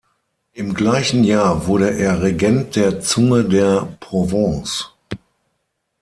Im gleichen Jahr wurde er Regent der Zunge der Provence.